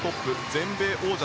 全米王者。